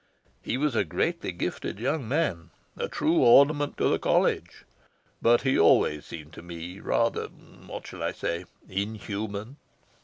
He was a greatly gifted young man a true ornament to the College. But he always seemed to me rather what shall I say? inhuman...